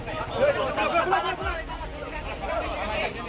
tidak tidak tidak